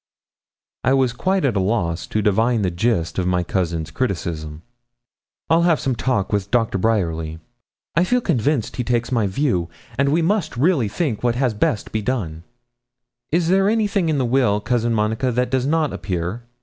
I was quite at a loss to divine the gist of my cousin's criticism. 'I'll have some talk with Dr. Bryerly; I feel convinced he takes my view, and we must really think what had best be done.' 'Is there anything in the will, Cousin Monica, that does not appear?'